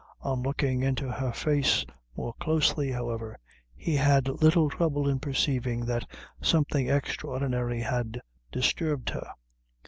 On looking into her face more closely, however, he had little trouble in perceiving that something extraordinary had disturbed her.